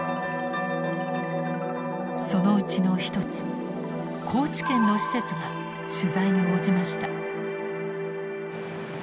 そのうちの一つ高知県の施設が取材に応じました。